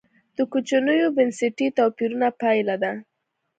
د کوچنیو بنسټي توپیرونو پایله ده.